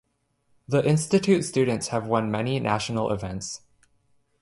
The institute students have won many national events.